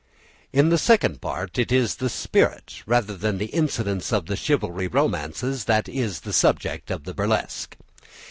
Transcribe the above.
In the Second Part it is the spirit rather than the incidents of the chivalry romances that is the subject of the burlesque.